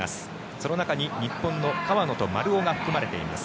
その中に日本の川野と丸尾が含まれています。